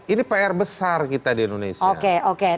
ini pr besar kita di indonesia oke oke